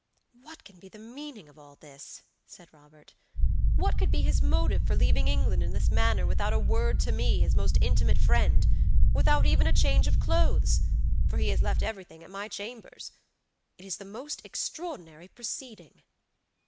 "What can be the meaning of all this?" said Robert. "What could be his motive for leaving England in this manner, without a word to me, his most intimate friendwithout even a change of clothes; for he has left everything at my chambers? It is the most extraordinary proceeding!"